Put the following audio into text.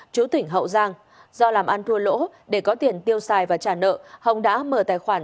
chú tỉnh hậu giang do làm ăn thua lỗ để có tiền tiêu xài và trả nợ hồng đã mở tài khoản